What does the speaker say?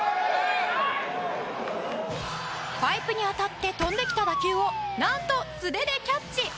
パイプに当たって飛んできた打球をなんと素手でキャッチ！